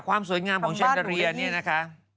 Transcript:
ความสวยงามของเชนเตอเรียเนี่ยนะคะ